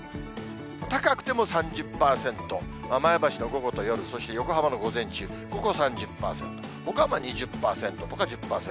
高くても３０％、前橋の午後と夜、そして横浜の午前中、午後３０％、ほかは２０％とか１０％。